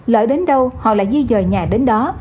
lỡ đến đâu họ lại di dời nhà đến đó